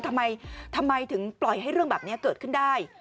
ทำไมถึงปล่อยให้เรื่องแบบนี้เกิดขึ้นได้